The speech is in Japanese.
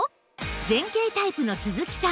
前傾タイプの鈴木さん